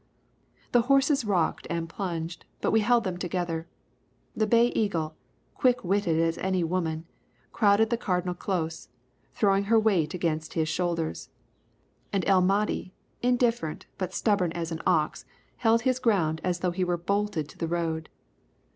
The horses rocked and plunged, but we held them together. The Bay Eagle, quick witted as any woman, crowded the Cardinal close, throwing her weight against his shoulders, and El Mahdi, indifferent, but stubborn as an ox, held his ground as though he were bolted to the road.